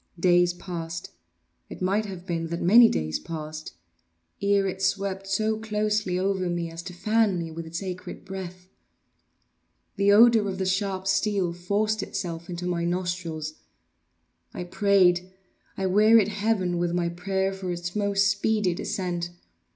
Days passed—it might have been that many days passed—ere it swept so closely over me as to fan me with its acrid breath. The odor of the sharp steel forced itself into my nostrils. I prayed—I wearied heaven with my prayer for its more speedy descent.